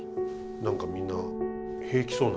何かみんな平気そうなんです。